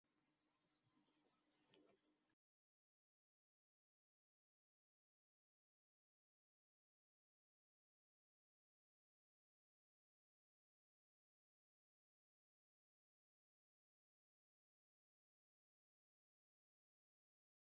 Ĝi situas tre malantaŭe de St James' Street inter konstruaĵoj.